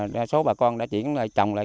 đa số bà con đã chuyển trồng lại